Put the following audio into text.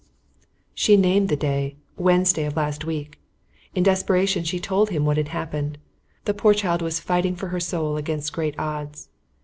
She named the day, Wednesday of last week. In desperation she told him what had happened. The poor child was fighting for her soul against great odds.